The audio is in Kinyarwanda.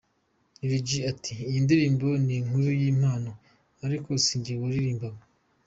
Lil G ati: "Iyi ndirimbo ni inkuru y'impamo ariko sinjye wiririmbaga.